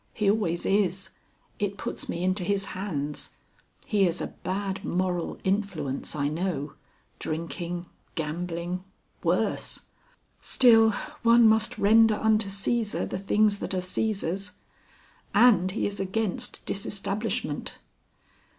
He always is. It puts me into his hands. He is a bad moral influence, I know. Drinking. Gambling. Worse. Still, one must render unto Cæsar the things that are Cæsar's. And he is against Disestablishment...."